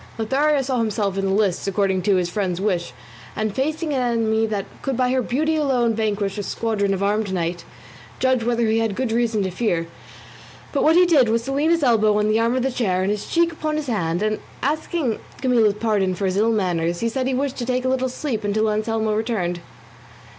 Lothario saw himself in the lists according to his friend's wish, and facing an enemy that could by her beauty alone vanquish a squadron of armed knights; judge whether he had good reason to fear; but what he did was to lean his elbow on the arm of the chair, and his cheek upon his hand, and, asking Camilla's pardon for his ill manners, he said he wished to take a little sleep until Anselmo returned.